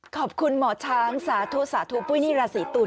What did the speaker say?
ขอบคุณหมอช้างสาธุสาธุปุ้ยนี่ราศีตุล